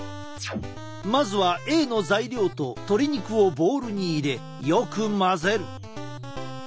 まずはＡの材料と鶏肉をボウルに入れよく混ぜる。